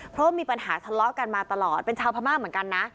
เพราะว่ามีปัญหาทะเลาะกันมาตลอดเป็นชาวพม่าเหมือนกันนะ